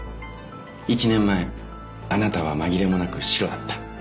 １年前あなたは紛れもなくシロだった。